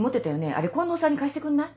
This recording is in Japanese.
あれ近藤さんに貸してくんない？